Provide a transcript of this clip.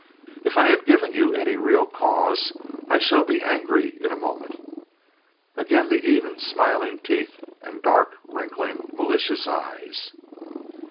If I had given you any real cause—I shall be angry in a moment." Again the even smiling teeth and dark, wrinkling, malicious eyes.